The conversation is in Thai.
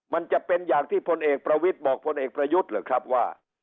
มันจะเป็นอย่างที่พลเอกประวิทย์บอกพลเอกประยุทธ์หรือครับว่า